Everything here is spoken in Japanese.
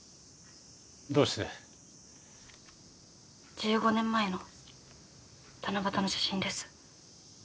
１５年前の七夕の写真です。